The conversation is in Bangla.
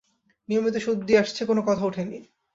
নিয়মিত সুদ দিয়ে আসছে, কোনো কথা ওঠে নি।